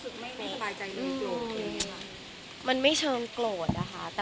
คำนี้มีคำมึงที่เราต้องรู้แต่ก็ไม่รู้